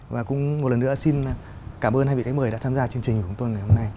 và cũng một lần nữa xin cảm ơn hai vị khách mời đã tham gia chương trình của chúng tôi ngày hôm nay